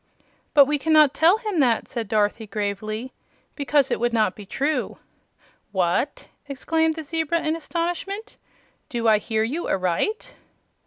"But we cannot tell him that," said Dorothy, gravely, "because it would not be true." "What!" exclaimed the zebra, in astonishment; "do I hear you aright?"